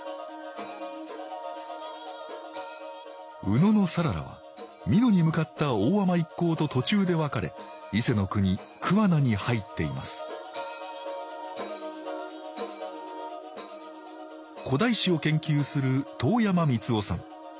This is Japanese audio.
野讃良は美濃に向かった大海人一行と途中で別れ伊勢国桑名に入っています古代史を研究する遠山美都男さん。